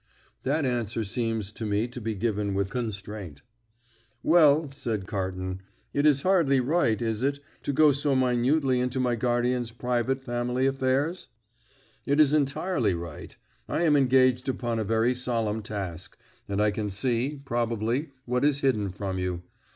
"That answer seems to me to be given with constraint." "Well," said Carton, "it is hardly right, is it, to go so minutely into my guardian's private family affairs?" "It is entirely right. I am engaged upon a very solemn task, and I can see, probably, what is hidden from you.